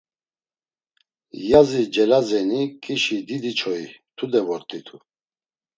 Yazi Celazeni, ǩişi Didiçoyi, tude vort̆itu.